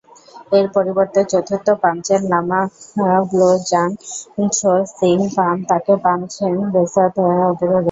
এর পরিবর্তে চতুর্থ পাঞ্চেন লামা ব্লো-ব্জাং-ছোস-ক্যি-র্গ্যাল-ম্ত্শান তাকে পান-ছেন-ব্সোদ-নাম্স-গ্রাগ্স-পা নামক পঞ্চদশ দ্গা'-ল্দান-খ্রি-পার অবতার রূপে চিহ্নিত করেন।